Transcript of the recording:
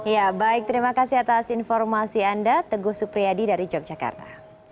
ya baik terima kasih atas informasi anda teguh supriyadi dari yogyakarta